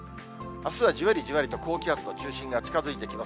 あすはじわりじわりと高気圧の中心が近づいてきます。